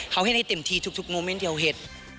เขาให้ได้เต็มทีทุกโมเม้นท์เขาเห็น